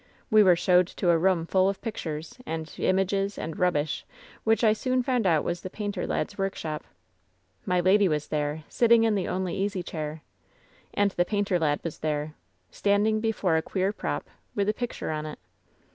"We were showed to a room full of pictures, and images, and rubbish, which I soon found out was the painter lad's workshop. My lady was there, sitting in the only easy chair. And the painter lad was there, standing before a queer prop, with a picture on it.